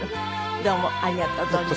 どうもありがとう存じました。